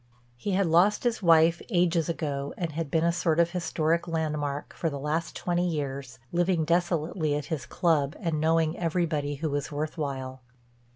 He had lost his wife ages ago and had been a sort of historic landmark for the last twenty years, living desolately at his club and knowing everybody who was worth while.